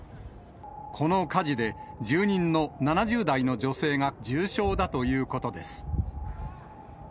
この火事で住人の７０代の女性が重症だということです。